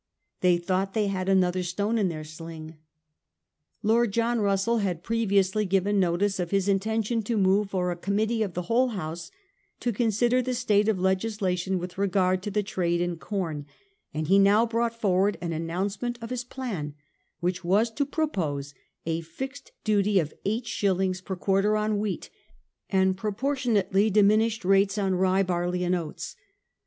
They thought they had another stone in their sling. Lord John Russell had previously given notice of his intention to move for a committee of the whole House to consider the state of legislation with regard to the trade in com ; and he now brought forward an announcement of his plan, which was to propose a fixed duty of eight shillings per quarter on wheat, and proportionately dimin ished rates on rye, barley and oats.